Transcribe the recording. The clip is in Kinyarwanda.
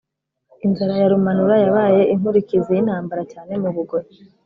inzara ya Rumanura yabaye inkurikizi y'intambara cyane mu Bugoyi